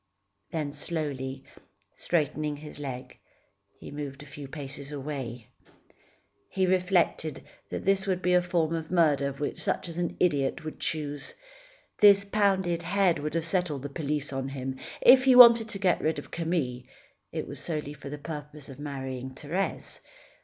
Then slowly, straightening his leg, he moved a few paces away. He reflected that this would be a form of murder such as an idiot would choose. This pounded head would have set all the police on him. If he wanted to get rid of Camille, it was solely for the purpose of marrying Thérèse.